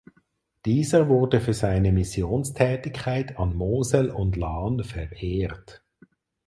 Dieser wurde für seine Missionstätigkeit an Mosel und Lahn verehrt.